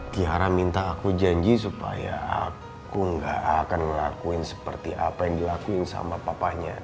kiara minta aku janji supaya aku gak akan ngelakuin seperti apa yang dilakuin sama papanya